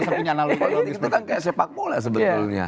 itu kan kayak sepak bola sebetulnya